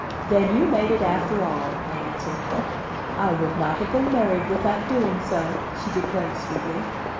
"Then you made it after all," I answered. "I would not have been married without doing so," she declared sweetly.